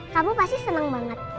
kamu pasti senang banget